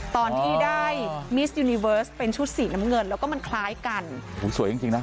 ตอนที่ได้มิสยูนิเวิร์สเป็นชุดสีน้ำเงินแล้วก็มันคล้ายกันโอ้โหสวยจริงจริงนะ